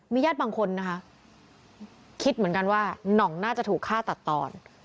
ญาติบางคนนะคะคิดเหมือนกันว่าน่องน่าจะถูกฆ่าตัดตอน